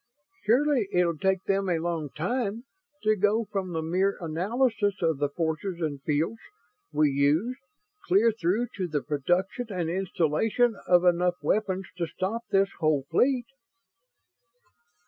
Surely it'll take them a long time to go from the mere analysis of the forces and fields we used clear through to the production and installation of enough weapons to stop this whole fleet?"